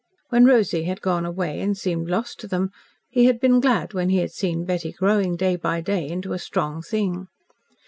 When Rosy had gone away and seemed lost to them, he had been glad when he had seen Betty growing, day by day, into a strong thing.